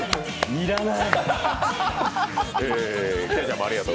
要らない。